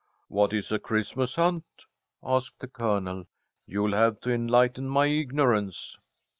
"What is a Christmas hunt?" asked the Colonel. "You'll have to enlighten my ignorance."